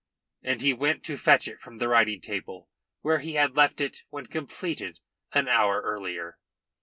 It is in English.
And he went to fetch it from the writing table, where he had left it when completed an hour earlier.